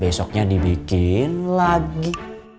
besoknya dibikin lagi